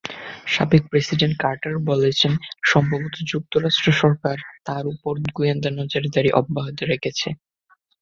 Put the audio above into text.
সাবেক president Carter বলেছেন, সম্ভবত যুক্তরাষ্ট্র সরকার তাঁর ওপরও গোয়েন্দা নজরদারি অব্যাহত রেখেছে।